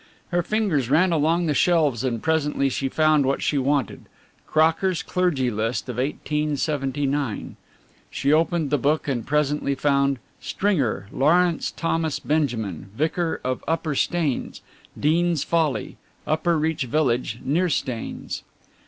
Her fingers ran along the shelves and presently she found what she wanted Crocker's Clergy List of 1879. She opened the book and presently found, "Stringer, Laurence Thomas Benjamin, Vicar of Upper Staines, Deans Folly, Upper Reach Village, near Staines."